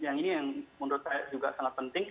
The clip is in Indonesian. yang ini yang menurut saya juga sangat penting